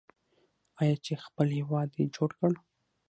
آیا چې خپل هیواد یې جوړ کړ؟